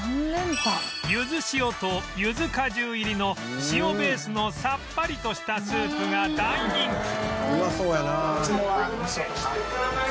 ゆず塩とゆず果汁入りの塩ベースのさっぱりとしたスープが大人気